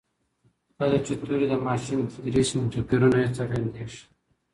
کله چي توري له ماشین تېر سي نو توپیرونه یې څرګندیږي.